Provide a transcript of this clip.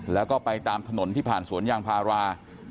แล้วก็ไปตามถนนที่ผ่านสวนยางพารา